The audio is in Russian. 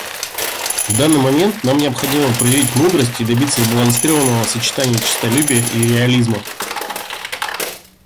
В данный момент нам необходимо проявить мудрость и добиться сбалансированного сочетания честолюбия и реализма.